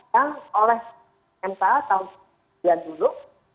yang oleh mk tahun yang dulu